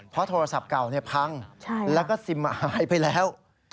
เพราะโทรศัพท์เก่าพังแล้วก็ซิมหายไปแล้ว